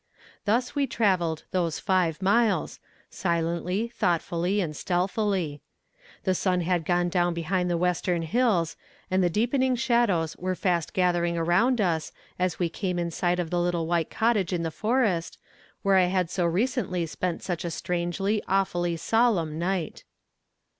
Thus we traveled those five miles, silently, thoughtfully, and stealthily. The sun had gone down behind the western hills, and the deepening shadows were fast gathering around us as we came in sight of the little white cottage in the forest, where I had so recently spent such a strangely, awfully solemn night.